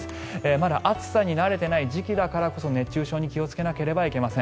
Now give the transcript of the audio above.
まだ暑さに慣れていない時期だからこそ熱中症に気をつけなければいけません。